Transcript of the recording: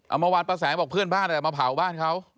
เมื่อวานป้าแสงบอกเพื่อนบ้านมาเผาบ้านเขา